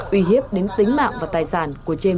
uy hiếp đến tính mạng và tài sản